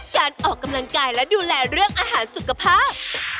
การออกกำลังกายและดูแลเรื่องอาหารสุขภาพ